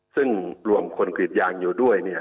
ซึ่งรวมคนกรีดยางอยู่ด้วยเนี่ย